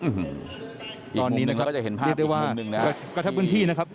อื้อหืออีกมุมหนึ่งเราก็จะเห็นภาพอีกมุมหนึ่งเรียกได้ว่ากระชับพื้นที่นะครับ